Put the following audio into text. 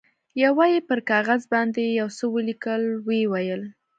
یوه یې پر کاغذ باندې یو څه ولیکل، ویې ویل.